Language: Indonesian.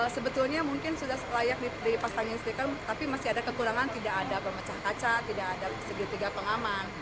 sebetulnya mungkin sudah layak dipasangin stiker tapi masih ada kekurangan tidak ada pemecah kaca tidak ada segitiga pengaman